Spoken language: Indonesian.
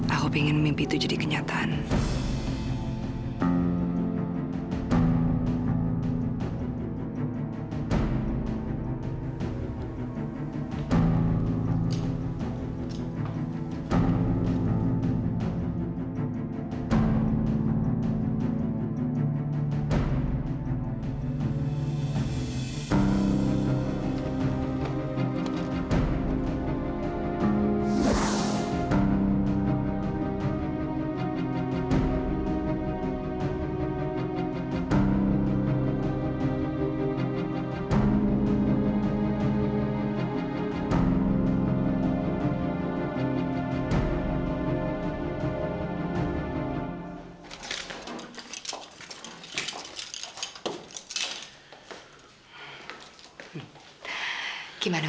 aku ingin mimpi itu jadi kenyataan